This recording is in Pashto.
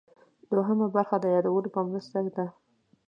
دوهمه برخه د یادولو په مرسته ده.